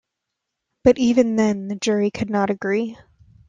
But even then the jury could not agree.